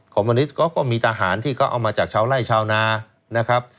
คอมมูนิสต์ก็มีทหารที่เขาเอามาจากชาวไล่ชาวนา